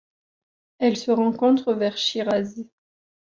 Elle se rencontre vers Chiraz.